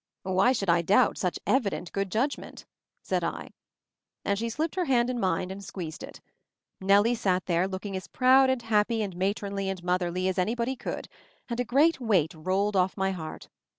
"Why should I doubt such evident good judgment?" said I. And she slipped her hand in mine and squeezed it. Nellie sat there, looking as proud and happy and ma tronly and motherly as anybody could, and a great weight rolled off my heart.